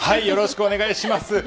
よろしくお願いします。